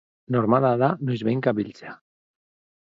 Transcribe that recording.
Normala da noizbehinka biltzea.